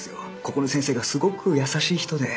ここの先生がすごく優しい人で。